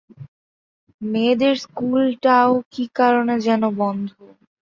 মেয়েদের স্কুলটাও কী কারনে যেন বন্ধ।